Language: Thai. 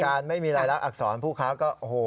การไม่มีรายลักษณ์อักษรผู้ค้าก็โห